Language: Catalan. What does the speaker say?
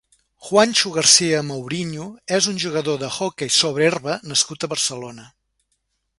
Juantxo García-Mauriño és un jugador d'hoquei sobre herba nascut a Barcelona.